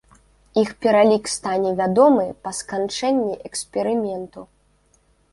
Іх пералік стане вядомы па сканчэнні эксперыменту.